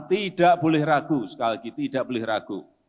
tidak boleh ragu sekali lagi tidak boleh ragu